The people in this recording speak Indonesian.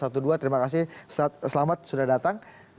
terima kasih ustadz selamat sudah datang